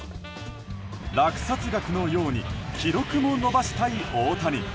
落札額のように記録も伸ばしたい大谷。